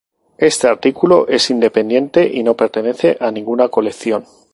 Este artículo es independiente y no pertenece a ninguna colección.